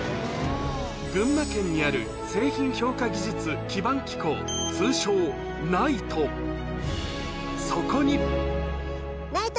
群馬県にある製品評価技術基盤機構、通称・ＮＩＴＥ。